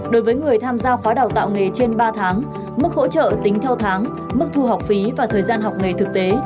đối với người tham gia khóa đào tạo nghề trên ba tháng mức hỗ trợ tính theo tháng mức thu học phí và thời gian học nghề thực tế